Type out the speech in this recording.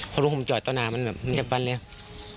พ่อลุงคงจอดตอนนั้นมันจะฟันเลยครับ